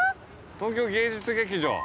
東京芸術劇場。